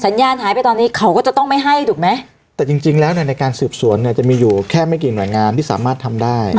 ญาณหายไปตอนนี้เขาก็จะต้องไม่ให้ถูกไหมแต่จริงจริงแล้วเนี่ยในการสืบสวนเนี่ยจะมีอยู่แค่ไม่กี่หน่วยงานที่สามารถทำได้